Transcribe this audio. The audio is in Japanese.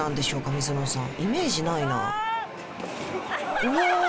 水野さんイメージないなあうお！